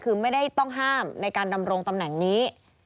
คือไม่ได้ต้องห้ามในการดำรงตำแหน่งนี้